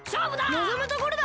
のぞむところだ！